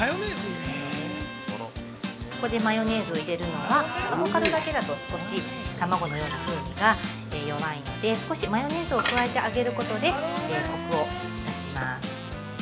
ここでマヨネーズを入れるのは、アボカドだけだと、少し卵のような風味が弱いので少しマヨネーズを加えてあげることでコクを出します。